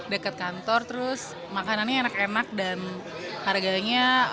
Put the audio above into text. dekat kantor terus makanannya enak enak dan harganya